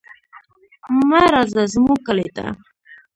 مه راځه زموږ کلي ته.